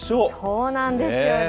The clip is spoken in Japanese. そうなんですよね。